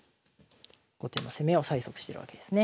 後手の攻めを催促してるわけですね。